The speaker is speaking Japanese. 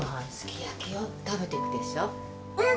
うん。